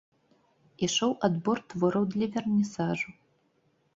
Ішоў адбор твораў для вернісажу.